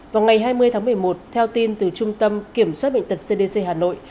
vào ngày hai mươi tháng một mươi một theo tin từ trung tâm kiểm soát bệnh tật cdc hà nội